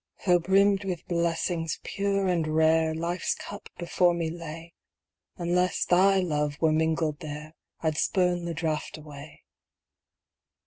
Tho' brimmed with blessings, pure and rare, Life's cup before me lay, Unless thy love were mingled there, I'd spurn the draft away.